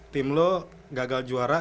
tim lo gagal juara